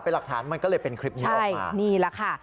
เป็นหลักฐานมันก็เลยเป็นคลิปนี้ออกมา